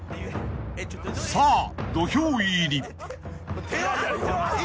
［さあ土俵入り］